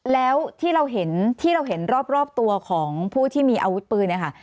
แล้วที่เราเห็นที่เราเห็นรอบตัวของผู้ที่มีอาวุธปืนเนี่ยค่ะ